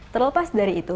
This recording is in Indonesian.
terlepas dari itu